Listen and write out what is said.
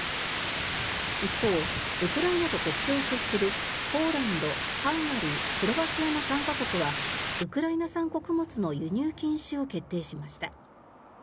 一方、ウクライナと国境を接するポーランド、ハンガリースロバキアの３か国はウクライナ産穀物の輸入禁止を決定しました。